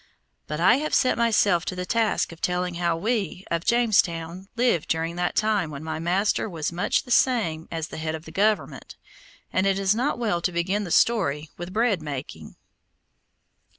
But I have set myself to the task of telling how we of Jamestown lived during that time when my master was much the same as the head of the government, and it is not well to begin the story with bread making.